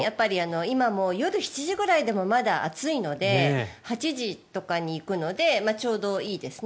今も夜７時ぐらいでもまだ暑いので８時とかに行くのでちょうどいいですね。